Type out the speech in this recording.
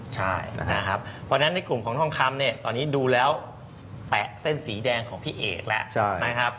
ใช่เพราะฉะนั้นในกลุ่มของทองคำตอนนี้ดูแล้วแปะเส้นสีแดงของพี่เอกแล้ว